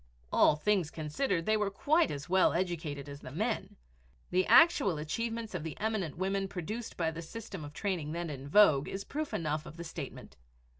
All things considered, they were quite as well educated as the men. The actual achievements of the eminent women produced by the system of training then in vogue is proof enough of the statement.